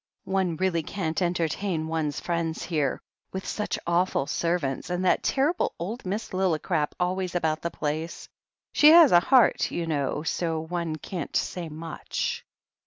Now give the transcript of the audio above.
One really can't entertain one's friends here, with such awful servants, and that terrible old Miss Lillicrap always about the place. She has a heart, you know, so one can't say much."